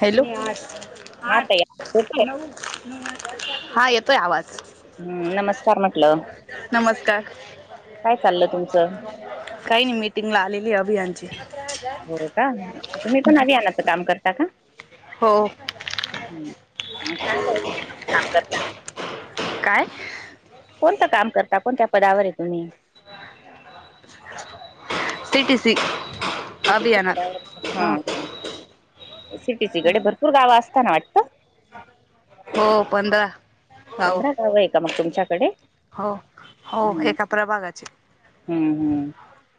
Hello. हा ताई येतोय हा येतोय आवाज. हम्म नमस्कार म्हटलं. नमस्कार. काय चाललं तुमचं? काही नाही मीटिंग आलेली अभियान च्या. हो का तुम्ही पण अभियाना च काम करता का? हो. हा काय काम करता? काय? कोणतं काम करता कोणत्या पदावर आहे तुम्ही? [unintelligible] City six. ह सिटीचीकडे भरपूर गाव असताना वाटतं? हो पंधरा. हो पंधरा गाव आहे का मग तुमच्याकडे? हो हो हम्. एका प्रभागाचे हम्म हम्म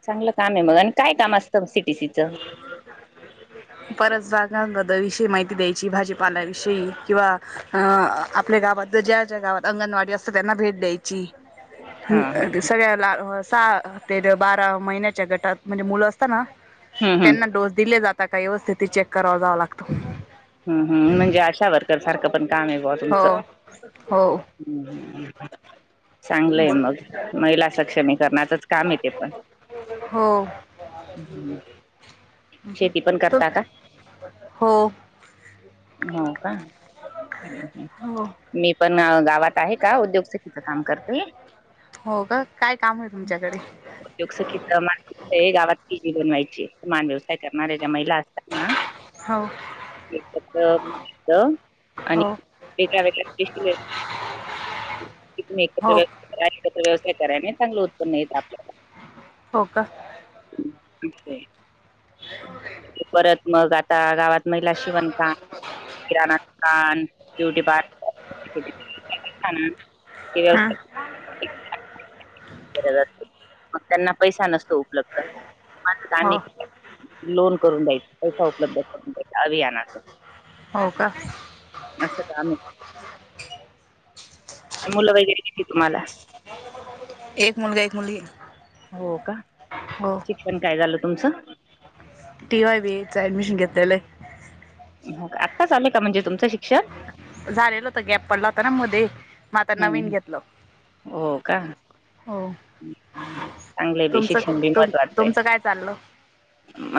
चांगलं काम आहे मग आणि काय काम असतं सी टी सीच? परस जागा गद विषयी माहिती द्यायची भाजीपालाविषयी किंवा अं आपल्या गावात ज्या ज्या गावात अंगणवाडी त्यांना भेट द्यायची. हा हा हम्म सगळ्या ला सहा ते बारा महिन्याच्या गटात म्हणजे मुलं असत ना हम्म त्यांना डोस दिले जाता का व्यवस्थिती चेक कराव जाव लागतं. हम्म हम्, म्हणजे आशा वर्कर सारखं पण काम आहे बा हो तुमचं. हो ह् चांगलंय मग, महिला सक्षमी करणाचच काम ते पण. हो शेती पण तु करता का? हो हो का. हो. मी पण गावात आहे का? उद्योसखी च काम करते. हो का काय काम आहे तुमच्याकडे उद्योग सखीच गावात कि [unintelligible] बनवायची मान व्यवसाय करणाऱ्या ज्या महिला असतात ना हो. [unintelligible] आणि हो ते करायला तुम् एकत्र हो व्यवसाय [unintelligible] करा एकत्र व्यवसाय करा नाही चांगलं उत्पन्न य आपल्याला. हो का? परत मग आता गावात महिला शिवन काम, किराणा दुकान ब्युटी पार्लर [unintelligible] हां व्यवसाय करत असते, मग त्यांना पैसा नसतो उपलब्ध. माझं काम हो आहे, लोन करून द्यायचा पैसा करून द्यायचा अभियानाच. हो का. असं काम आहे ‌. मुलं वगैरे किती तुम्हाला? एक मुलगा, एक मुलगी. हो का? हो. शिक्षण काय झालं तुमचं? T Y B A admission घेतले हाय‌. आत्ता चालेय का म्हणजे तुमचं शिक्षण [inaudible] झालेलं होत गॅप पडला होता ना मधे, मग आता नवीन हम्म घेतलं. हो. चांगलं बी तुमचं शिक्षण बी तुम महत्वाटचय. तुमचं काय चाललं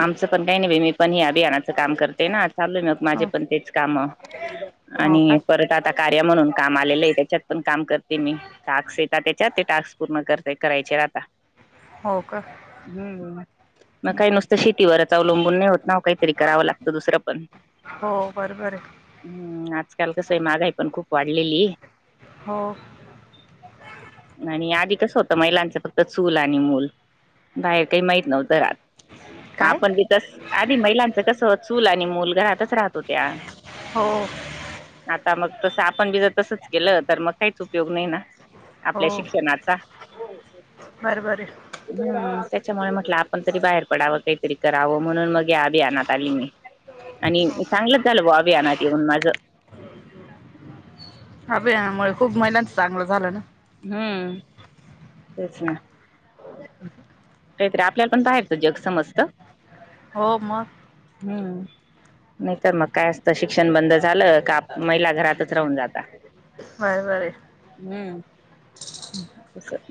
आमचं पण काही नाही मी पण अभियानाचं काम करते ना, चालूय म माझे हो पण तेच काम, हो का आणि परत आता कार्य म्हणून काम आलेलं आहे त्याच्यात पण काम करते मी, टास्क येत त्याच्यात ते टास्क पूर्ण करते. करायचे राहता. हो का? हम्म... मग काही नसत शेतीवरच अवलंबून नाही होत ना, काहीतरी कराव लागत दूसरं पण हो बरोबर आहे. हम्म, आजकाल कस आहे महागाई पण खुप वाढलेली. हो [inaudible] आणि आधी कसं होतं महिलांच फक्त चूल आणि मूल बाहेर काही माहत नव्हतं आत [inaudible] काय आपण त- तस, आधी महिलांचं कस चूल आणि मूल घरातच राहत होत्या. हो. आता मग तसं, आपण बी जर तसंच केलं तर मग काहीच उपयोग नाही ना. आपल्या शिक्षण [inaudible] बर बर. हम त्याच्यामुळे म्हटलं आपण तरी बाहेर पडावं, काहीतरी करावं म्हणून मग याभियानात आली मी. आणि चांगलंच झालं बा, अभियानात येऊन माझं. अभियाना मुळे खूप महिलाच चांगलं झालं. हम्म तेच ना. काहीतरी आपल्याला पण बाहेरचं जग समजत. हो मग. हम्म नाहीका मग काय असतं शिक्षण बंद झालं, का महिला घरातच राहून जाता. बरोबर आहे. हम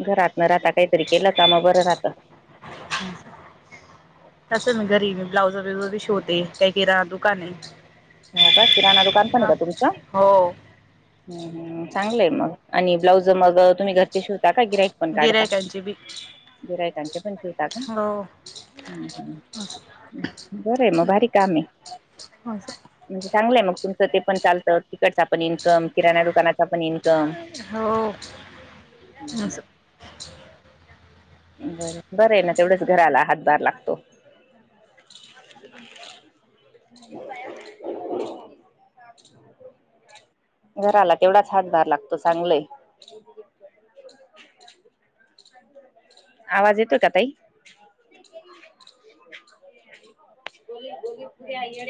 घरात न राहता काहीतरी केलं का मग बरं राहत. तसं मी घरी मी ब्लाउज वैगेरे शिवते काही किराना दुकान आहे. हो का किराणा दुकान पण हा आहे का तुमच? हो ह चांगलंय मग आणि ब्लाउज मग तुम्ही शिवता का गिराईक पण काढता, गिरायकांची बी गिराईकाचे पण हो बरं हाय मगं भारी काम आहे. [unintelligible] म्हणजे चांगलंय मग तुमचं, ते पण चालतं तिकडचा पण इन्कम, किराणा दुकानाचा पण इन्कम. हो ब बरं आहे ना तेवढेच घराला हातभार लागतो. [unintelligible] [unintelligible] घराला तेवढाच हातभार लागतो चांगलाय आहे. [unintelligible] आवाज येतोय का ताई? [unintelligible]